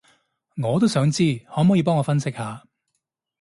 我都想知，可摸耳幫我分析下